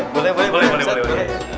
boleh boleh boleh